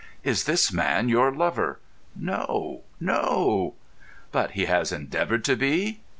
"Is this man your lover?" "No—no." "But he has endeavoured to be?"